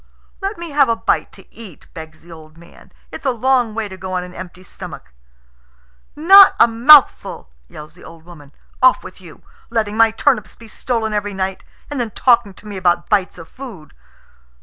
"Let me have a bite to eat," begs the old man. "It's a long way to go on an empty stomach." "Not a mouthful!" yells the old woman. "Off with you. Letting my turnips be stolen every night, and then talking to me about bites of food!"